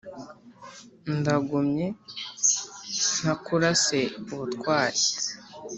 Ndagomye ntakurase ubutwari